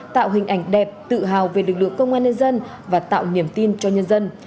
tạo hình ảnh đẹp tự hào về lực lượng công an nhân dân và tạo niềm tin cho nhân dân